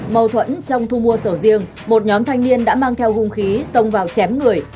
mâu thuẫn trong thu mua sầu riêng một nhóm thanh niên đã mang theo hung khí xông vào chém người